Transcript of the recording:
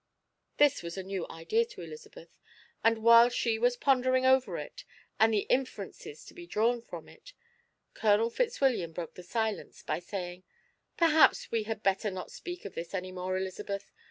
This was a new idea to Elizabeth, and while she was pondering over it, and the inferences to be drawn from it, Colonel Fitzwilliam broke the silence by saying: "Perhaps we had better not speak of this anymore, Elizabeth.